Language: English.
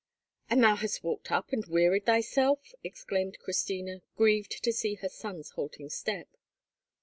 "And thou hast walked up, and wearied thyself!" exclaimed Christina, grieved to see her son's halting step.